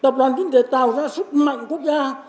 tập đoàn tính thể tạo ra sức mạnh quốc gia